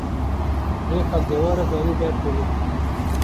rêxa dewera danî ber holê.